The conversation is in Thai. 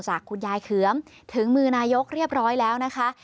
จากคุณยายเขือมถึงมือนายกเรียบร้อยแล้วนะคะ